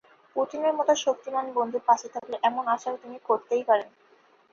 পুতিনের মতো শক্তিমান বন্ধু পাশে থাকলে এমন আশা তিনি করতেই পারেন।